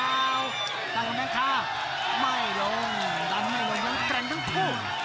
ต้องแม่งฆ่าไม่หยุ่งซ้ำให้โรธยังแกร่งทั้งคู่